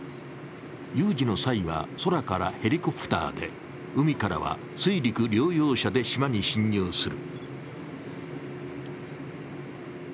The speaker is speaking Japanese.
有事の際は、空からヘリコプターで海からは水陸両用車で島に進入する。